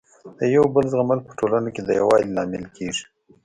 د یو بل زغمل په ټولنه کي د يووالي لامل کيږي.